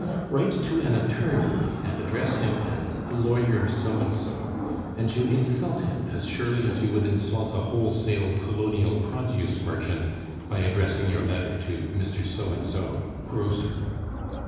Write to an attorney and address him as "Lawyer So and so," and you insult him as surely as you would insult a wholesale colonial produce merchant by addressing your letter to "Mr. So and so, Grocer."